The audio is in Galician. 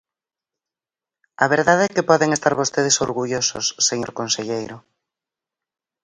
A verdade é que poden estar vostedes orgullosos, señor conselleiro.